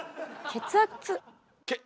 血圧！